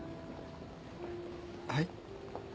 はい？